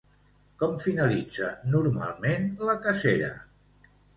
Com finalitza, normalment, la cacera?